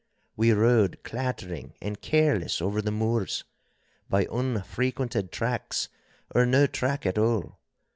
We rode clattering and careless over the moors, by unfrequented tracks or no track at all.